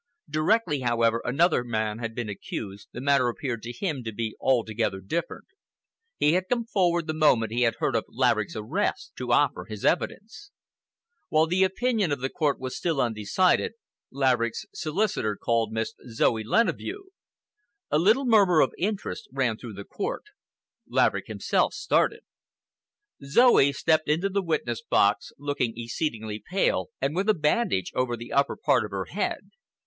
Directly, however, another man had been accused, the matter appeared to him to be altogether different. He had come forward the moment he had heard of Laverick's arrest, to offer his evidence. While the opinion of the court was still undecided, Laverick's solicitor called Miss Zoe Leneveu. A little murmur of interest ran though the court. Laverick himself started. Zoe stepped into the witness box, looking exceedingly pale, and with a bandage over the upper part of her head.